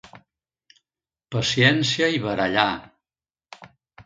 Paciència i barallar.